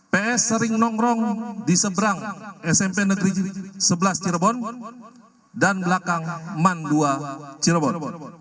ps sering nongkrong di seberang smp negeri sebelas cirebon dan belakang man dua cirebon